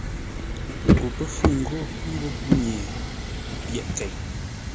Ko pə́ fúŋ ghó ńgó kúnye, o pyéʼ kei.